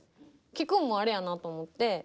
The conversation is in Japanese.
聞くんもあれやなと思って。